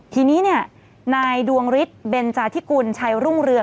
ทีนี้เนี่ยนายดวงฤทธิเบนจาธิกุลชัยรุ่งเรือง